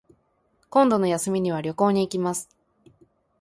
今度の休みには旅行に行きます